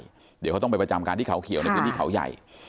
เดี๋ยวเขาต้องไปประจำการที่เขาเขียวในพื้นที่เขาใหญ่